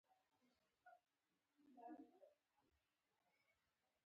که کیلي کږه وي قلف نه خلاصیږي.